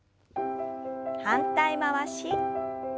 反対回し。